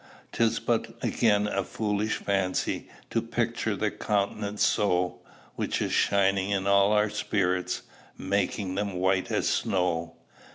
"'Tis but again a foolish fancy To picture the countenance so. Which is shining in all our spirits, Making them white as snow.